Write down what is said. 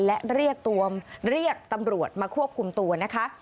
และเรียกตัวเรียกตำรวจมาควบคุมตัวนะคะ